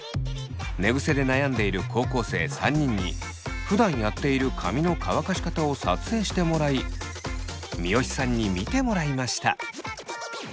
寝ぐせで悩んでいる高校生３人にふだんやっている髪の乾かし方を撮影してもらい三好さんに見てもらいました。